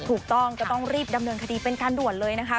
ถูกต้องก็ต้องรีบดำเนินคดีเป็นการด่วนเลยนะคะ